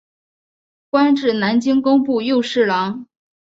官至南京工部右侍郎。